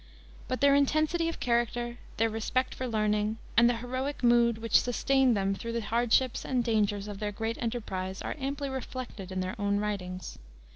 But their intensity of character, their respect for learning, and the heroic mood which sustained them through the hardships and dangers of their great enterprise are amply reflected in their own writings.